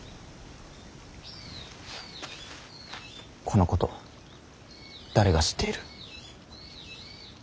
このこと誰が知っている。